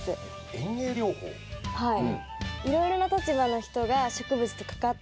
はい。